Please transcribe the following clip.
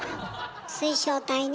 水晶体ね。